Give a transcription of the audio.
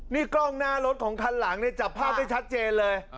นี่กล้องหน้ารถของคันหลังเนี่ยจับภาพได้ชัดเจนเลย